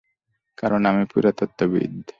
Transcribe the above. কারণ আমি পুরাতত্ত্ববিদ।